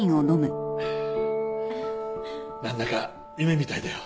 なんだか夢みたいだよ。